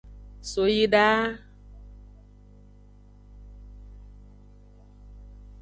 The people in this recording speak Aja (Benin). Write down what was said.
So yi da.